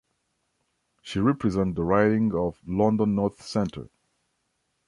She represents the riding of London North Centre.